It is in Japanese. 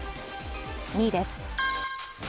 ２位です。